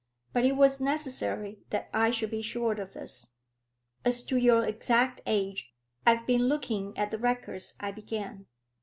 But it was necessary that I should be sure of this. "As to your exact age, I've been looking at the records," I began.